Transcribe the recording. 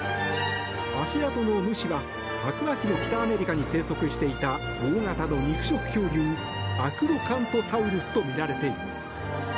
足跡の主は白亜紀の北アメリカに生息していた大型の肉食恐竜アクロカントサウルスとみられています。